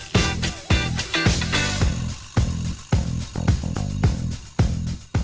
ขอบคุณนะคะ